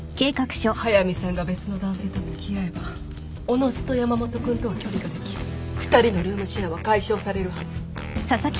速見さんが別の男性と付き合えばおのずと山本君とは距離ができ２人のルームシェアは解消されるはず。